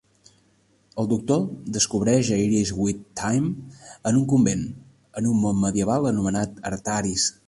El Doctor descobreix a Iris Wildthyme en un convent, en un món medieval anomenat Artaris.